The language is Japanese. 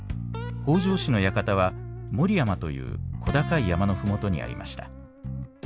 北条氏の館は守山という小高い山の麓にありました。